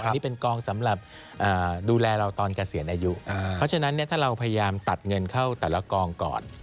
อันนี้เป็นกองสำหรับดูแลเราตอนเกษียณอายุเพราะฉะนั้นถ้าเราพยายามตัดเงินเข้าแต่ละกองก่อน